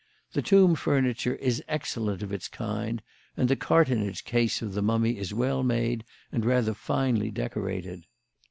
The tomb furniture is excellent of its kind and the cartonnage case of the mummy is well made and rather finely decorated."